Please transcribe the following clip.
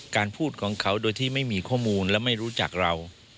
การพูดของเขาโดยที่ไม่มีข้อมูลและไม่รู้จักเรา